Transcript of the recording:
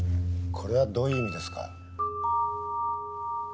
これはどういう意味ですか？